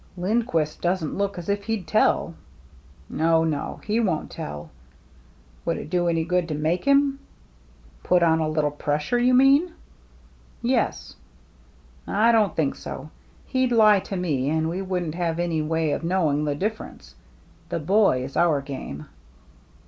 '*" Lindquist doesn't look as if he'd tell." " Oh, no ; he won't tell." " Would it do any good to make him ?"" Put on a little pressure, you mean ?" "Yes." " I don't think so. He'd lie to me, and we wouldn't have any way of knowing the differ ence. The boy is our game."